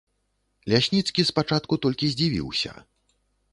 Лясніцкі спачатку толькі здзівіўся.